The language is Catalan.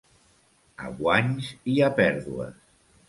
A guanys i a pèrdues.